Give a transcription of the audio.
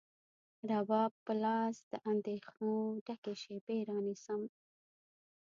رباب په لاس، د اندېښنو ډکې شیبې رانیسم